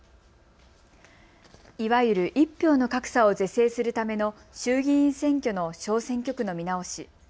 いわゆる１票の格差を是正するための衆議院選挙の小選挙区の見直し。